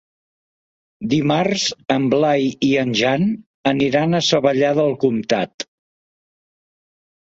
Dimarts en Blai i en Jan aniran a Savallà del Comtat.